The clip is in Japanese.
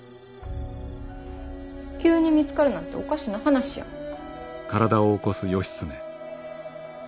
急に見つかるなんておかしな話やもん。